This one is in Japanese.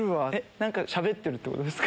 何かしゃべるってことですか？